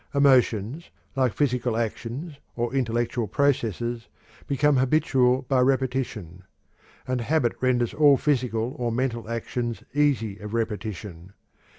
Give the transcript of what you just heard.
Emotions, like physical actions or intellectual processes, become habitual by repetition. And habit renders all physical or mental actions easy of repetition.